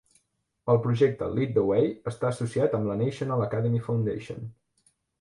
El projecte Lead the Way està associat amb la National Academy Foundation.